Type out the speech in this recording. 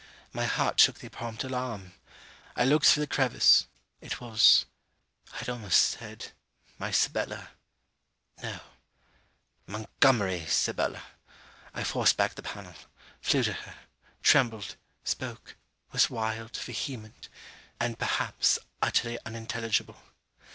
My heart took the prompt alarm. I looked through the crevice. It was I had almost said my Sibella No: Montgomery's Sibella! I forced back the panel flew to her trembled spoke was wild, vehement, and perhaps utterly unintelligible.